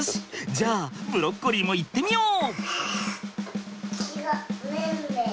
じゃあブロッコリーもいってみよう！